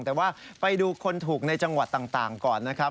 แต่ว่าไปดูคนถูกในจังหวัดต่างก่อนนะครับ